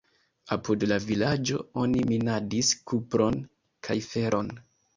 Apud la vilaĝo oni minadis kupron kaj feron.